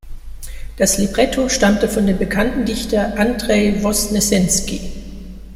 Das Libretto stammte von dem bekannten Dichter Andrej Wosnessenski.